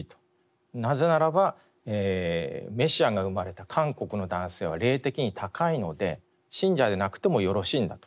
なぜならばメシアが生まれた韓国の男性は霊的に高いので信者でなくてもよろしいんだと。